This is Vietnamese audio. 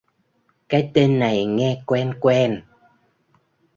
Cái tên này nghe quen quen